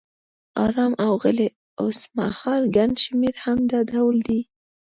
آرام او غلی، اوسمهال ګڼ شمېر هم دا ډول دي.